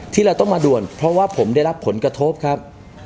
ที่เราต้องมาด่วนเพราะว่าผมได้รับผลกระทบครับ